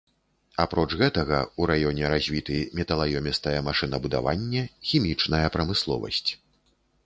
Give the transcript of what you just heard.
Апроч гэтага, у раёне развіты металаёмістае машынабудаванне, хімічная прамысловасць.